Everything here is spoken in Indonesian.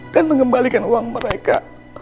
dan mengembalikan uang mereka